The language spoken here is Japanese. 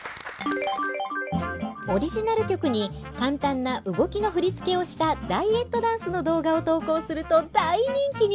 オリジナル曲に簡単な動きの振り付けをしたダイエットダンスの動画を投稿すると大人気に！